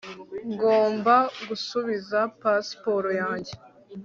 ngomba gusubiza pasiporo yanjye